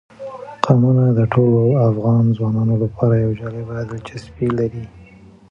قومونه د ټولو افغان ځوانانو لپاره یوه جالبه دلچسپي لري.